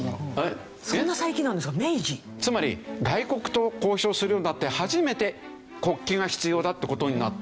つまり外国と交渉するようになって初めて国旗が必要だって事になった。